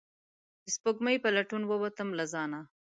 د سپوږمۍ په لټون ووتم له ځانه